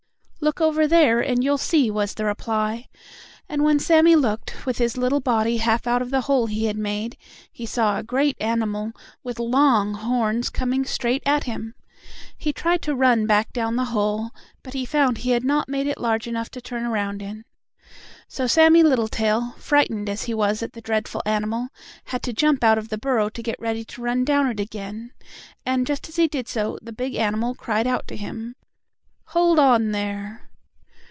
"Look over there and you'll see," was the reply, and when Sammie looked, with his little body half out of the hole he had made, he saw a great animal, with long horns, coming straight at him. He tried to run back down the hole, but he found he had not made it large enough to turn around in. So Sammie Littletail, frightened as he as at the dreadful animal, had to jump out of the burrow to get ready to run down it again, and, just as he did so, the big animal cried out to him: "Hold on there!"